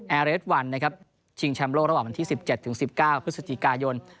แอร์เรส๑ชิงแชมโลระหว่างวันที่๑๗๑๙พฤศจิกายน